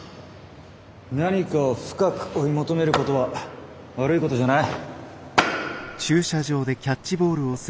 何かを深く追い求めることは悪いことじゃない。